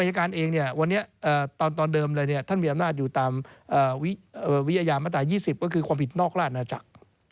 หรือผู้รับป้อมหมายกฎหมายวิทยาศักดิ์ว่าอย่างนั้น